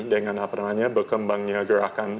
dengan apa namanya berkembangnya gerakan